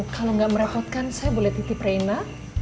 kalau gak merepotkan saya boleh titip reina